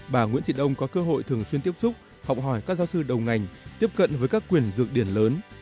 bà nguyễn thị đông có cơ hội thường xuyên tiếp xúc học hỏi các giáo sư đầu ngành tiếp cận với các quyền rực điển lớn